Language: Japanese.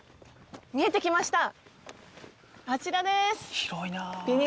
あちらです。